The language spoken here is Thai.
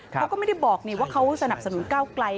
เขาก็ไม่ได้บอกว่าเขาสนับสนุนก้าวไกล